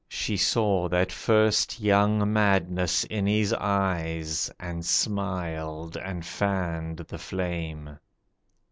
She saw that first young madness in his eyes And smiled and fanned the flame.